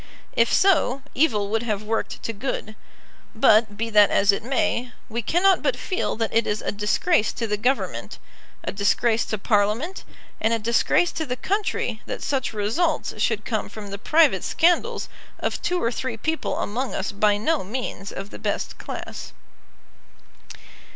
If so, evil would have worked to good. But, be that as it may, we cannot but feel that it is a disgrace to the Government, a disgrace to Parliament, and a disgrace to the country that such results should come from the private scandals of two or three people among us by no means of the best class.